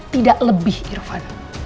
tidak lebih irvan